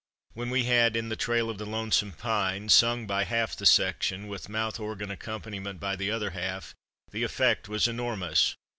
When we had "In the trail of the Lonesome Pine" sung by half the section, with mouth organ accompaniment by the other half, the effect was enormous.